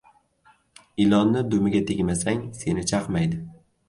• Ilonni dumiga tegmasang, seni chaqmaydi.